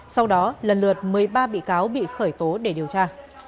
sau đó lần lượt một mươi ba bị cáo bị khởi tố để điều tra